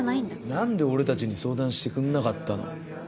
なんで俺たちに相談してくんなかったの？